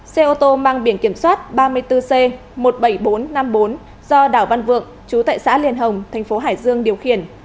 xe ô tô mang biển kiểm soát ba mươi bốn c một mươi bảy nghìn bốn trăm năm mươi bốn do đảo văn vượng chú tại xã liên hồng thành phố hải dương điều khiển